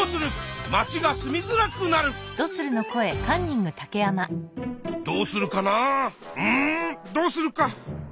どうするかなうんどうするか。